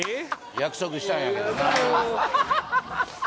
約束したんやけどな